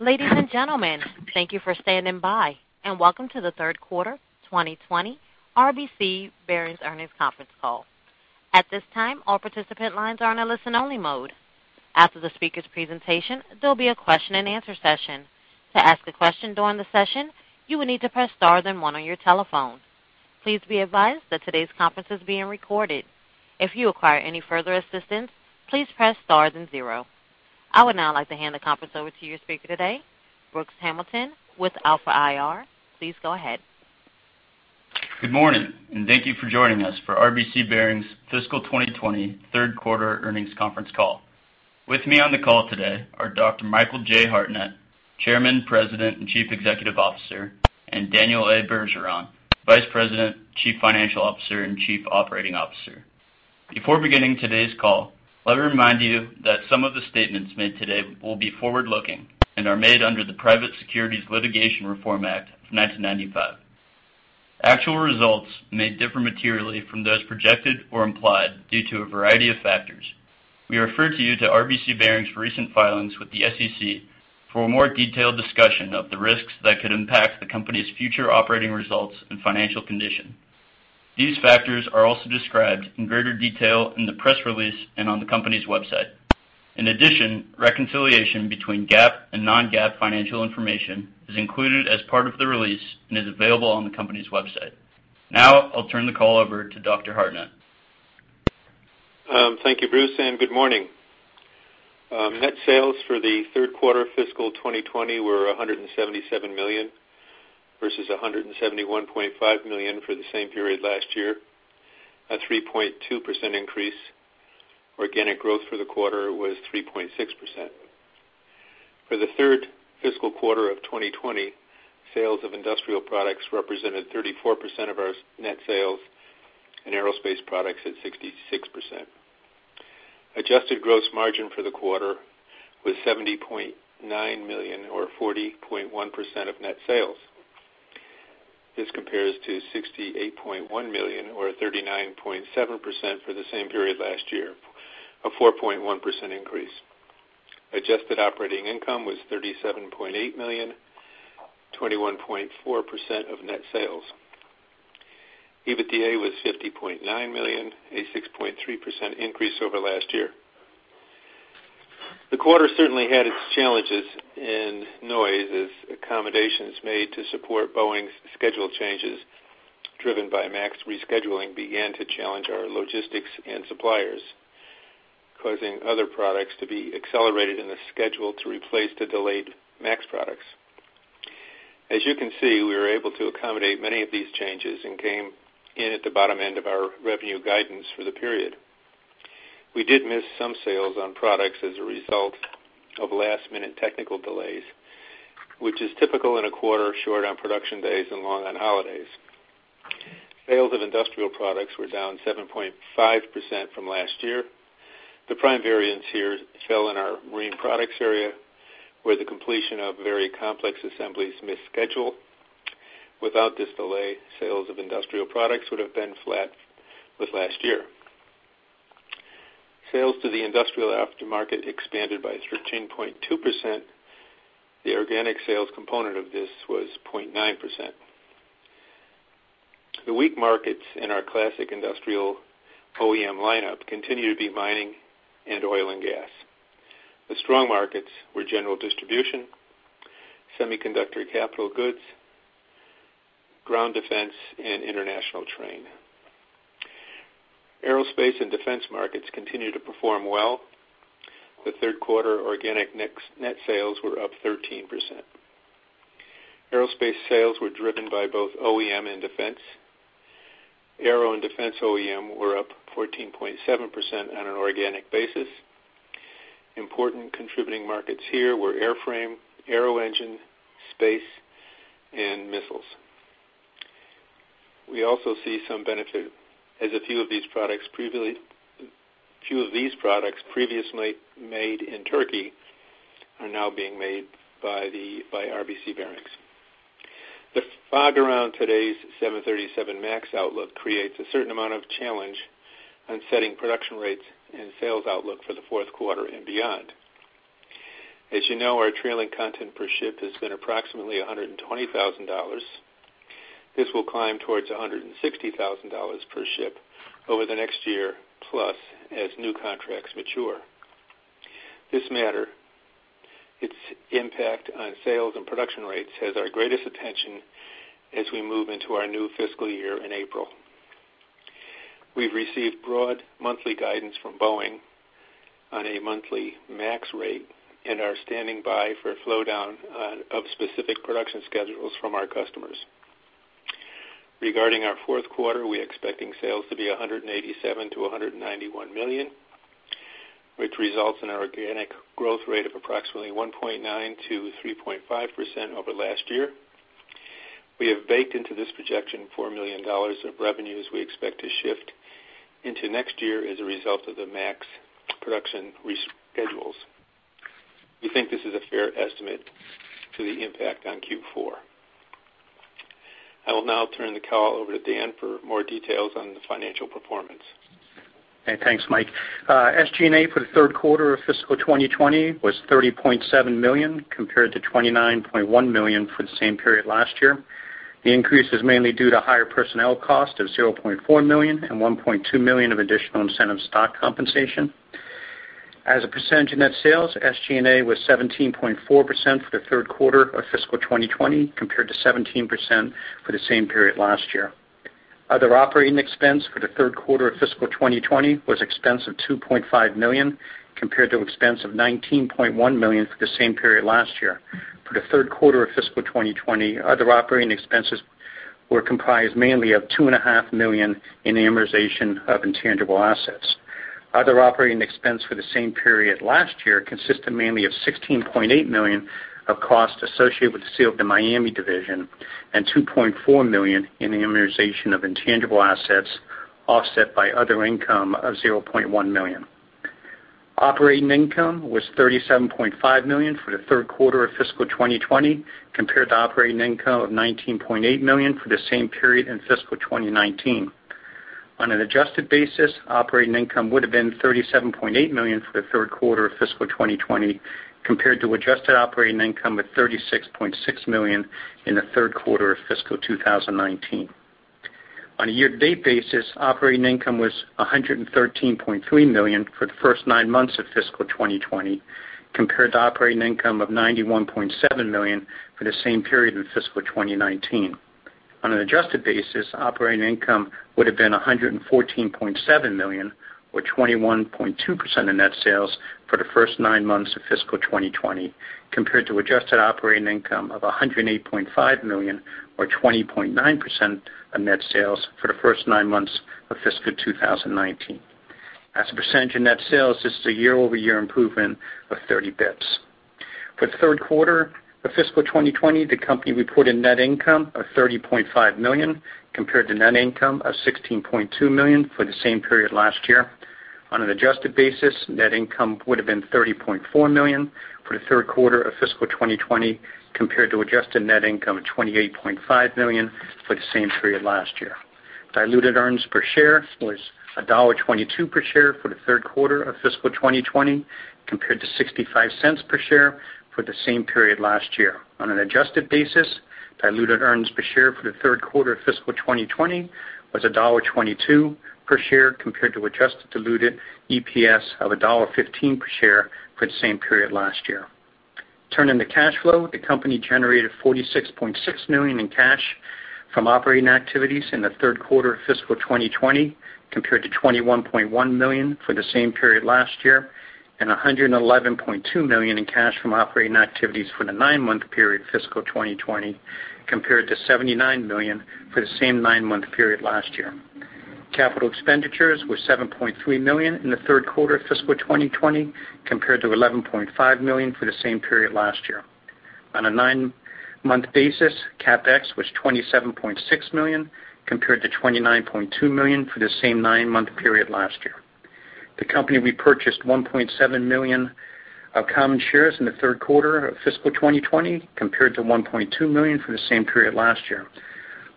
Ladies and gentlemen, thank you for standing by and welcome to the third quarter 2020 RBC Bearings Earnings Conference Call. At this time all participant lines are in a listen-only mode. After the speaker's presentation there'll be a question and answer session. To ask a question during the session you will need to press star then one on your telephone. Please be advised that today's conference is being recorded. If you require any further assistance please press star then zero. I would now like to hand the conference over to your speaker today Brooks Hamilton with Alpha IR. Please go ahead. Good morning and thank you for joining us for RBC Bearings Fiscal 2020 third quarter earnings conference call. With me on the call today are Dr. Michael J. Hartnett, Chairman, President, and Chief Executive Officer, and Daniel A. Bergeron, Vice President, Chief Financial Officer, and Chief Operating Officer. Before beginning today's call, let me remind you that some of the statements made today will be forward-looking and are made under the Private Securities Litigation Reform Act of 1995. Actual results may differ materially from those projected or implied due to a variety of factors. We refer you to RBC Bearings for recent filings with the SEC for a more detailed discussion of the risks that could impact the company's future operating results and financial condition. These factors are also described in greater detail in the press release and on the company's website. In addition, reconciliation between GAAP and non-GAAP financial information is included as part of the release and is available on the company's website. Now I'll turn the call over to Dr. Hartnett. Thank you Brooks and good morning. Net sales for the third quarter fiscal 2020 were $177 million versus $171.5 million for the same period last year, a 3.2% increase. Organic growth for the quarter was 3.6%. For the third fiscal quarter of 2020, sales of industrial products represented 34% of our net sales and aerospace products at 66%. Adjusted gross margin for the quarter was $70.9 million or 40.1% of net sales. This compares to $68.1 million or 39.7% for the same period last year, a 4.1% increase. Adjusted operating income was $37.8 million, 21.4% of net sales. EBITDA was $50.9 million, a 6.3% increase over last year. The quarter certainly had its challenges and noise as accommodations made to support Boeing's schedule changes driven by 737 MAX rescheduling began to challenge our logistics and suppliers causing other products to be accelerated in the schedule to replace to delayed 737 MAX products. As you can see we were able to accommodate many of these changes and came in at the bottom end of our revenue guidance for the period. We did miss some sales on products as a result of last-minute technical delays which is typical in a quarter short on production days and long on holidays. Sales of industrial products were down 7.5% from last year. The prime variance here fell in our marine products area where the completion of very complex assemblies missed schedule. Without this delay sales of industrial products would have been flat with last year. Sales to the industrial aftermarket expanded by 13.2%. The organic sales component of this was 0.9%. The weak markets in our classic industrial OEM lineup continue to be mining and oil and gas. The strong markets were general distribution, semiconductor, capital goods, ground defense, and international train. Aerospace and defense markets continue to perform well. The third quarter organic net sales were up 13%. Aerospace sales were driven by both OEM and defense. Aero and defense OEM were up 14.7% on an organic basis. Important contributing markets here were airframe, aero engine, space, and missiles. We also see some benefit as a few of these products previously made in Turkey are now being made by RBC Bearings. The fog around today's 737 MAX outlook creates a certain amount of challenge on setting production rates and sales outlook for the fourth quarter and beyond. As you know, our trailing content per ship has been approximately $120,000. This will climb towards $160,000 per ship over the next year plus as new contracts mature. This matter, its impact on sales and production rates has our greatest attention as we move into our new fiscal year in April. We've received broad monthly guidance from Boeing on a monthly MAX rate and are standing by for a slowdown on or of specific production schedules from our customers. Regarding our fourth quarter, we're expecting sales to be $187 million-$191 million, which results in our organic growth rate of approximately 1.9%-3.5% over last year. We have baked into this projection $4 million of revenues we expect to shift into next year as a result of the MAX production reschedules. We think this is a fair estimate to the impact on Q4. I will now turn the call over to Dan for more details on the financial performance. Hey thanks Mike. SG&A for the third quarter of Fiscal 2020 was $30.7 million compared to $29.1 million for the same period last year. The increase is mainly due to higher personnel cost of $0.4 million and $1.2 million of additional incentive stock compensation. As a percentage of net sales SG&A was 17.4% for the third quarter of Fiscal 2020 compared to 17% for the same period last year. Other operating expense for the third quarter of Fiscal 2020 was expense of $2.5 million compared to expense of $19.1 million for the same period last year. For the third quarter of Fiscal 2020 other operating expenses were comprised mainly of $2.5 million in amortization of intangible assets. Other operating expense for the same period last year consisted mainly of $16.8 million of cost associated with the sale of the Miami division and $2.4 million in amortization of intangible assets offset by other income of $0.1 million. Operating income was $37.5 million for the third quarter of Fiscal 2020 compared to operating income of $19.8 million for the same period in Fiscal 2019. On an adjusted basis operating income would have been $37.8 million for the third quarter of Fiscal 2020 compared to adjusted operating income of $36.6 million in the third quarter of Fiscal 2019. On a year-to-date basis, operating income was $113.3 million for the first nine months of Fiscal 2020 compared to operating income of $91.7 million for the same period in Fiscal 2019. On an adjusted basis, operating income would have been $114.7 million or 21.2% of net sales for the first nine months of Fiscal 2020 compared to adjusted operating income of $108.5 million or 20.9% of net sales for the first nine months of Fiscal 2019. As a percentage of net sales, this is a year-over-year improvement of 30 basis points. For the third quarter of Fiscal 2020 the company reported net income of $30.5 million compared to net income of $16.2 million for the same period last year. On an adjusted basis net income would have been $30.4 million for the third quarter of Fiscal 2020 compared to adjusted net income of $28.5 million for the same period last year. Diluted earnings per share was $1.22 per share for the third quarter of Fiscal 2020 compared to $0.65 per share for the same period last year. On an adjusted basis diluted earnings per share for the third quarter of Fiscal 2020 was $1.22 per share compared to adjusted diluted EPS of $1.15 per share for the same period last year. Turning to cash flow, the company generated $46.6 million in cash from operating activities in the third quarter of Fiscal 2020 compared to $21.1 million for the same period last year and $111.2 million in cash from operating activities for the nine-month period Fiscal 2020 compared to $79 million for the same nine-month period last year. Capital expenditures were $7.3 million in the third quarter of Fiscal 2020 compared to $11.5 million for the same period last year. On a nine-month basis, CapEx was $27.6 million compared to $29.2 million for the same nine-month period last year. The company repurchased 1.7 million of common shares in the third quarter of Fiscal 2020 compared to 1.2 million for the same period last year.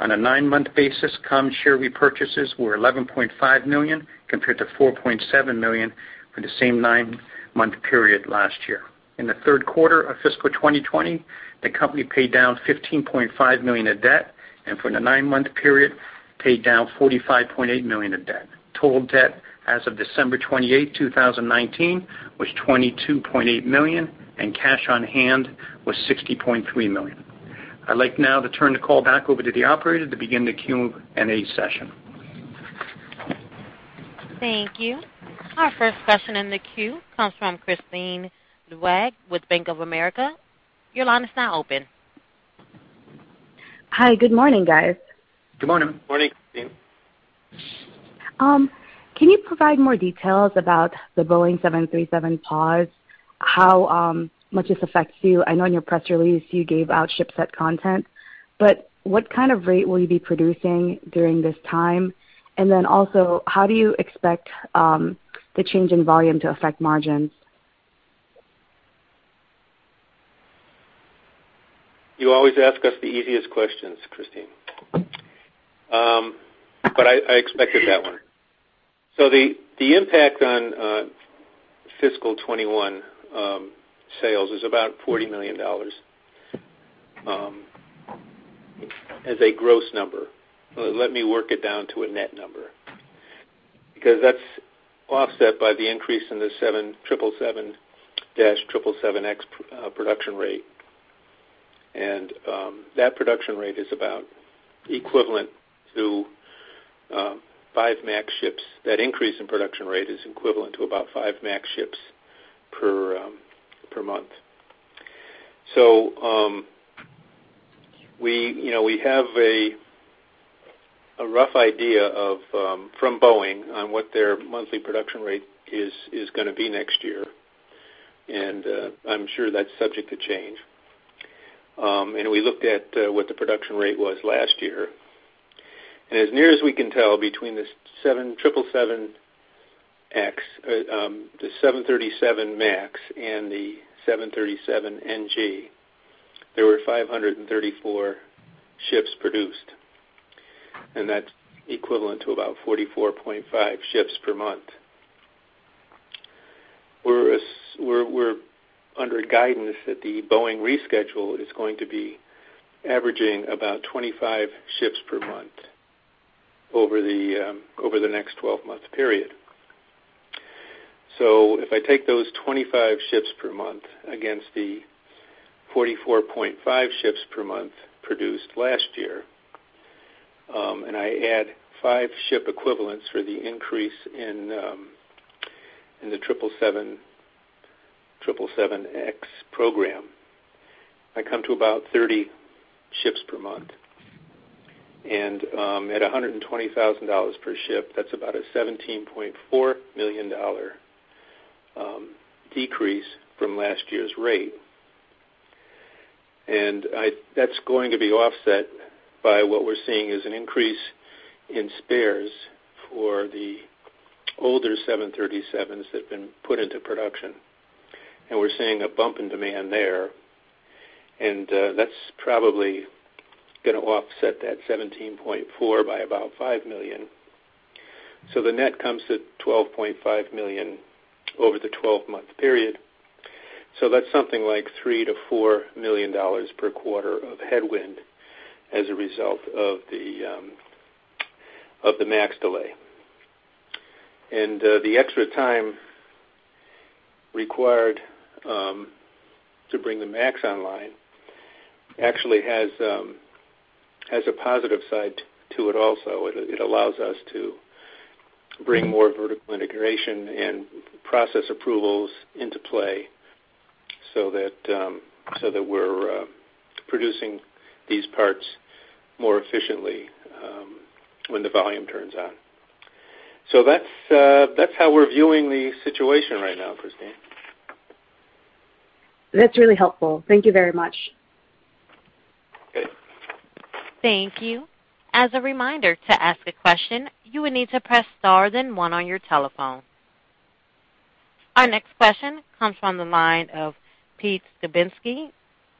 On a nine-month basis common share repurchases were 11.5 million compared to 4.7 million for the same nine-month period last year. In the third quarter of Fiscal 2020 the company paid down $15.5 million of debt and for the nine-month period paid down $45.8 million of debt. Total debt as of December 28, 2019 was $22.8 million and cash on hand was $60.3 million. I'd like now to turn the call back over to the operator to begin the Q&A session. Thank you. Our first question in the queue comes from Kristine Liwag with Bank of America. Your line is now open. Hi, good morning, guys. Good morning. Morning Kristine. Can you provide more details about the Boeing 737, how much this affects you? I know in your press release you gave out ship set content, but what kind of rate will you be producing during this time, and then also how do you expect the change in volume to affect margins? You always ask us the easiest questions, Kristine. But I expected that one. So the impact on Fiscal 2021 sales is about $40 million as a gross number. Let me work it down to a net number because that's offset by the increase in the 777X production rate. And that production rate is about equivalent to 5 737 MAX ships. That increase in production rate is equivalent to about 5 737 MAX ships per month. So we, you know, we have a rough idea of from Boeing on what their monthly production rate is gonna be next year and I'm sure that's subject to change. We looked at what the production rate was last year and as near as we can tell between the 777X, the 737 MAX, and the 737 NG there were 534 ships produced and that's equivalent to about 44.5 ships per month. We're under guidance that the Boeing reschedule is going to be averaging about 25 ships per month over the next 12-month period. So if I take those 25 ships per month against the 44.5 ships per month produced last year and I add 5 ship equivalents for the increase in the 777X program I come to about 30 ships per month. And at $120,000 per ship that's about a $17.4 million decrease from last year's rate. And that's going to be offset by what we're seeing is an increase in spares for the older 737s that have been put into production. And we're seeing a bump in demand there and that's probably gonna offset that 17.4 by about $5 million. So the net comes to $12.5 million over the 12-month period. So that's something like $3 million-$4 million per quarter of headwind as a result of the 737 MAX delay. And the extra time required to bring the 737 MAX online actually has a positive side to it also. It allows us to bring more vertical integration and process approvals into play so that we're producing these parts more efficiently when the volume turns on. So that's how we're viewing the situation right now, Kristine. That's really helpful. Thank you very much. Thank you. As a reminder to ask a question you would need to press star then one on your telephone. Our next question comes from the line of Peter Skibitski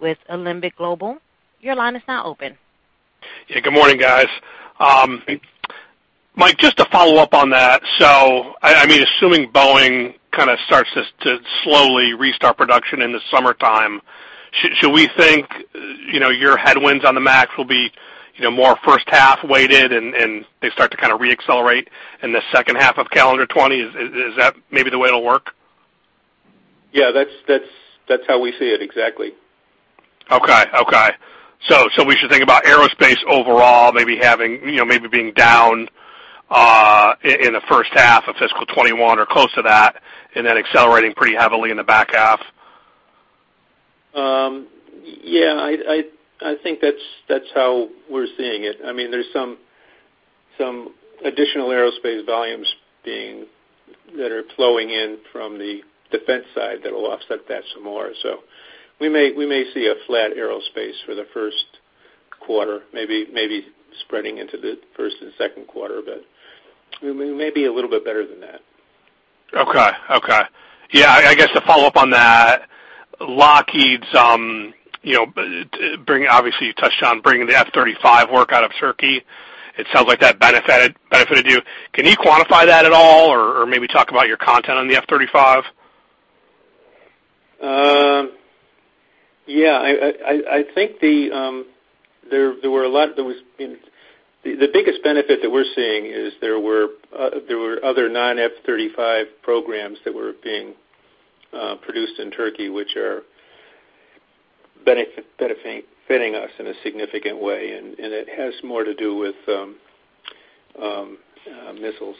with Alembic Global Advisors. Your line is now open. Yeah, good morning, guys. Mike, just to follow up on that. So, I mean, assuming Boeing kinda starts to slowly restart production in the summertime, should we think, you know, your headwinds on the 737 MAX will be, you know, more first half weighted, and they start to kinda reaccelerate in the second half of calendar 2020? Is that maybe the way it'll work? Yeah, that's how we see it exactly. Okay. So we should think about aerospace overall, maybe having, you know, maybe being down in the first half of Fiscal 2021 or close to that and then accelerating pretty heavily in the back half? Yeah, I think that's how we're seeing it. I mean, there's some additional aerospace volumes that are flowing in from the defense side that'll offset that some more. So we may see a flat aerospace for the first quarter, maybe spreading into the first and second quarter, but we may be a little bit better than that. Okay. Yeah, I guess to follow up on that Lockheed's, you know, bring obviously you touched on bringing the F-35 work out of Turkey. It sounds like that benefited you. Can you quantify that at all or maybe talk about your content on the F-35? Yeah, I think the biggest benefit that we're seeing is there were other non-F-35 programs that were being produced in Turkey which are benefiting us in a significant way and it has more to do with missiles.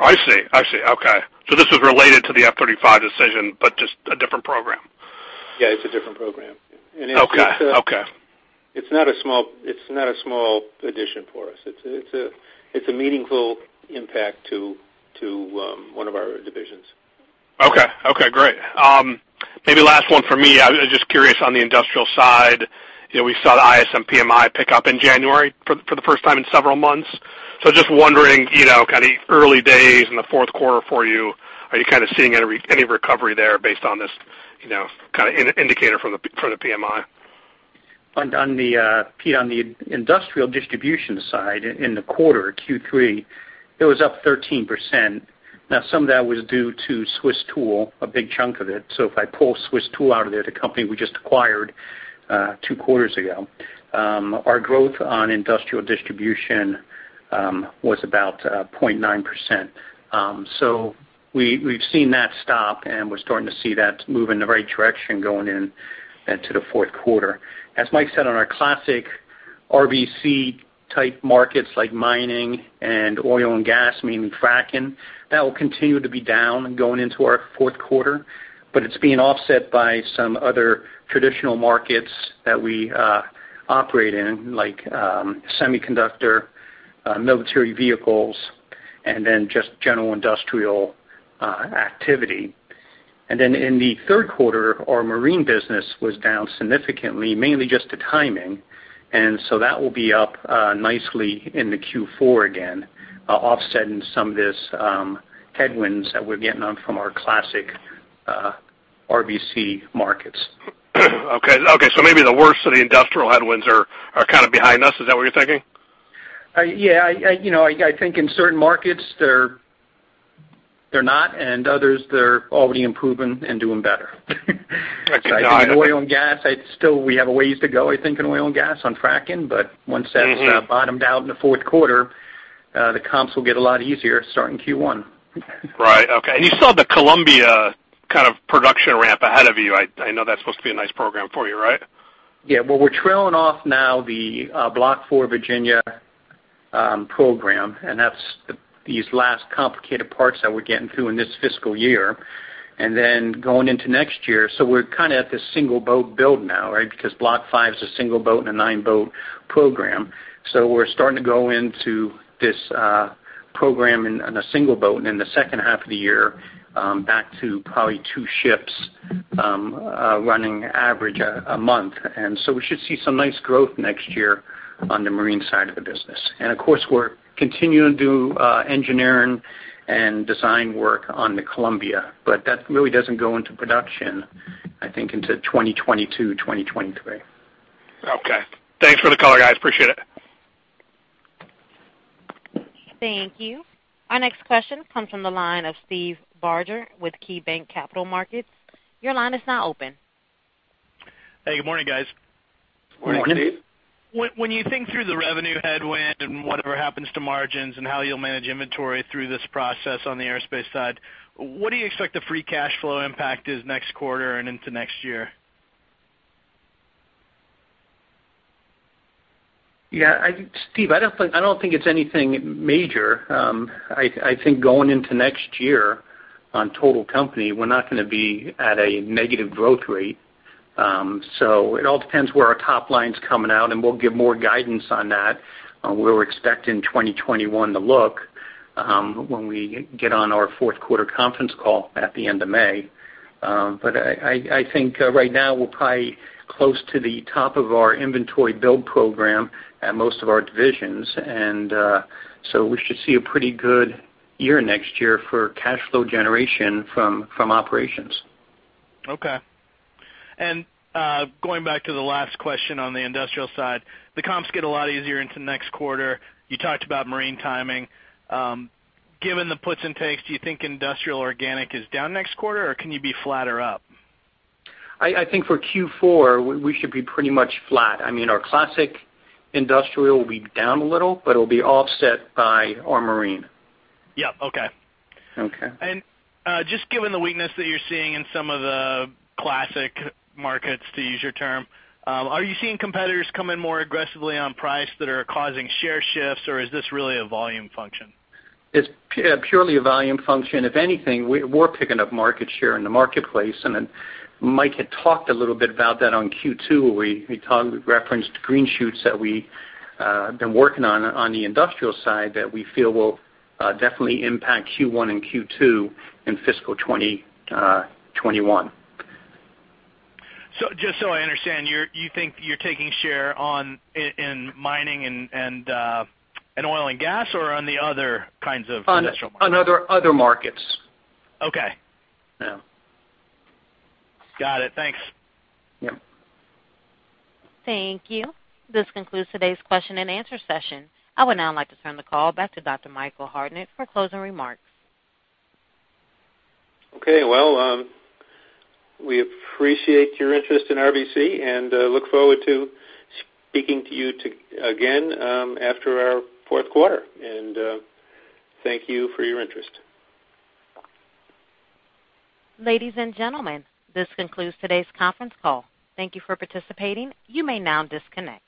I see I see okay. So this was related to the F-35 decision but just a different program? Yeah, it's a different program. It's just not a small addition for us. It's a meaningful impact to one of our divisions. Okay, okay, great. Maybe last one for me. I'm just curious on the industrial side. You know, we saw the ISM PMI pick up in January for the first time in several months. So, just wondering, you know, kinda early days in the fourth quarter for you. Are you kinda seeing any recovery there based on this, you know, kinda indicator from the PMI? On the industrial distribution side in the quarter Q3 it was up 13%. Now some of that was due to Swiss Tool a big chunk of it. So if I pull Swiss Tool out of there the company we just acquired two quarters ago our growth on industrial distribution was about 0.9%. So we've seen that stop and we're starting to see that move in the right direction going into the fourth quarter. As Mike said on our classic RBC type markets like mining and oil and gas meaning fracking that will continue to be down going into our fourth quarter but it's being offset by some other traditional markets that we operate in like semiconductor military vehicles and then just general industrial activity. And then in the third quarter, our marine business was down significantly, mainly just the timing, and so that will be up nicely in the Q4, again offsetting some of these headwinds that we're getting from our classic RBC markets. Okay, okay, so maybe the worst of the industrial headwinds are kinda behind us? Is that what you're thinking? Yeah, you know, I think in certain markets they're not, and others they're already improving and doing better. I could die on that. In oil and gas, I'd still say we have a ways to go, I think, in oil and gas on fracking, but once that's bottomed out in the fourth quarter, the comps will get a lot easier starting Q1. Right, okay. And you saw the Columbia kind of production ramp ahead of you. I know that's supposed to be a nice program for you, right? Yeah, well, we're trailing off now the Block IV Virginia-class program, and that's these last complicated parts that we're getting through in this fiscal year, and then going into next year. So we're kinda at the single boat build now, right, because Block V's a single boat and a 9-boat program. So we're starting to go into this program in a single boat, and in the second half of the year back to probably 2 ships running average a month. And so we should see some nice growth next year on the marine side of the business. And of course we're continuing to do engineering and design work on the Columbia-class, but that really doesn't go into production, I think, into 2022-2023. Okay. Thanks for the call, guys. Appreciate it. Thank you. Our next question comes from the line of Steve Barger with KeyBanc Capital Markets. Your line is now open. Hey, good morning, guys. Morning Steve. When you think through the revenue headwind and whatever happens to margins and how you'll manage inventory through this process on the aerospace side, what do you expect the free cash flow impact is next quarter and into next year? Yeah, I think, Steve, I don't think it's anything major. I think going into next year on total company we're not gonna be at a negative growth rate. So it all depends where our top line's coming out and we'll give more guidance on that on where we're expecting 2021 to look when we get on our fourth quarter conference call at the end of May. But I think right now we're probably close to the top of our inventory build program at most of our divisions and so we should see a pretty good year next year for cash flow generation from operations. Okay. Going back to the last question on the industrial side, the comps get a lot easier into next quarter. You talked about marine timing. Given the puts and takes, do you think industrial organic is down next quarter or can you be flatter up? I think for Q4 we should be pretty much flat. I mean our classic industrial will be down a little but it'll be offset by our marine. Yep okay. Okay. Just given the weakness that you're seeing in some of the classic markets to use your term, are you seeing competitors come in more aggressively on price that are causing share shifts or is this really a volume function? It's purely a volume function. If anything we're picking up market share in the marketplace and then Mike had talked a little bit about that on Q2 where we referenced green shoots that we been working on the industrial side that we feel will definitely impact Q1 and Q2 in Fiscal 2021. So just so I understand, you think you're taking share in iron mining and oil and gas or on the other kinds of industrial markets? On other markets. Got it, thanks. Thank you. This concludes today's question and answer session. I would now like to turn the call back to Dr. Michael Hartnett for closing remarks. Okay, well, we appreciate your interest in RBC and look forward to speaking to you again after our fourth quarter. Thank you for your interest. Ladies and gentlemen, this concludes today's conference call. Thank you for participating. You may now disconnect.